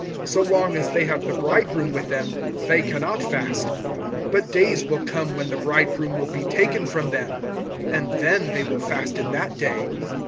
So long as they have the bridegroom with them, they can not fast. (20)But days will come, when the bridegroom will be taken from them; and then they will fast in that day.